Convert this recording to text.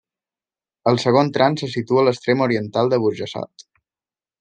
El segon tram se situa a l'extrem oriental de Burjassot.